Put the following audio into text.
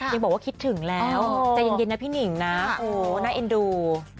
ยังบอกว่าคิดถึงแล้วใจเย็นนะพี่หนิงนะโอ้น่าเอ็นดู